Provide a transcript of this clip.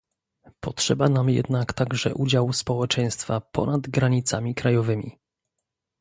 Potrzeba nam jednak także udziału społeczeństwa ponad granicami krajowymi